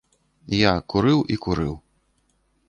Я курыў і курыў.